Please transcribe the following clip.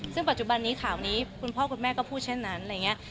ซึ่งปัจจุบันนี้ข่าวนี้คุณพ่อคุณแม่ก็พูดเช่นนั้นอะไรอย่างนี้